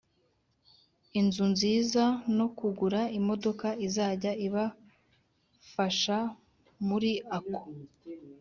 inzu nziza no kugura imodoka izajya ibafasha muri ako